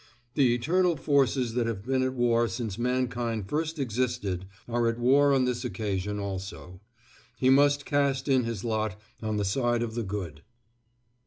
The eternal forces that have been at war since mankind first existed are at war on this occasion also; he must cast in his lot on the side of the good.